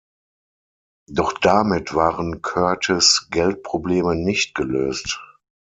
Doch damit waren Curtis' Geldprobleme nicht gelöst.